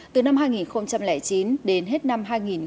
từ năm hai nghìn chín đến hết năm hai nghìn hai mươi ba